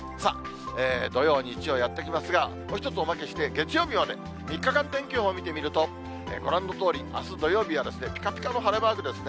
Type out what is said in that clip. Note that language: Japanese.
土曜、日曜やって来ますが、もう一つ、おまけして月曜日まで３日間天気予報を見てみると、ご覧のとおり、あす土曜日はぴかぴかの晴れマークですね。